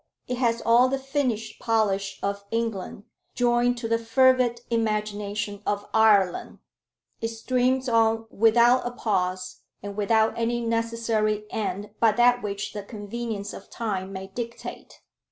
It has all the finished polish of England, joined to the fervid imagination of Ireland. It streams on without a pause, and without any necessary end but that which the convenience of time may dictate.